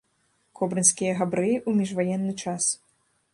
Кобрынскія габрэі ў міжваенны час.